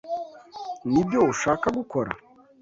Nibyo ushaka gukora?